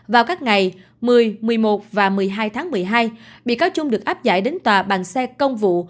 vào các ngày một mươi một mươi một và một mươi hai tháng một mươi hai bị cáo trung được áp giải đến tòa bằng xe công vụ